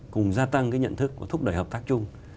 cùng gia tăng cái nhận thức và thúc đẩy hợp tác chung